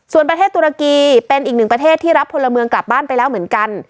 ส่วนประเทศตุรกีเป็นอีกหนึ่งประเทศที่รับพลเมืองกลับบ้านไปแล้วเหมือนกัน